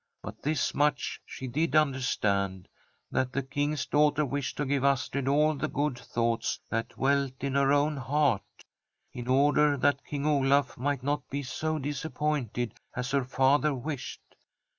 But this much she did understand — ^that the King's daughter wished to give Astrid all the good thoughts that dwelt in her own heart, in order that King Olaf might not be so dis appointed as her father wished.